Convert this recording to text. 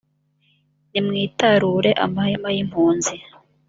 nimwitarure amahema yimpunzi